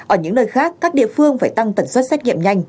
ở những nơi khác các địa phương phải tăng tần suất xét nghiệm nhanh